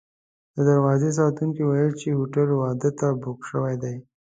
د دروازې ساتونکو ویل چې هوټل واده ته بوک شوی دی.